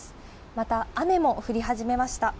また雨も降り始めました。